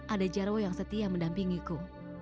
ada jaro yang setia mendampingiku